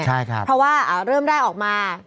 เพราะว่าเริ่มแล้วออกมา